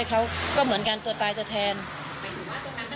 เธอก็เชื่อว่ามันคงเป็นเรื่องความเชื่อที่บรรดองนำเครื่องเส้นวาดผู้ผีปีศาจเป็นประจำ